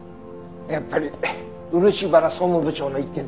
やっぱり漆原総務部長の一件で？